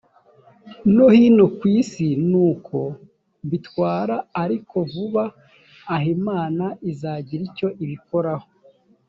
no hino ku isi ni uko bitwara ariko vuba aha imana izagira icyo ibikoraho